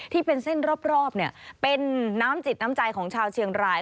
ที่เป็นเส้นรอบเป็นน้ำจิตน้ำใจของชาวเชียงราย